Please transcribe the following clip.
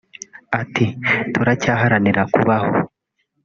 Ati “Turacyaharanira kubaho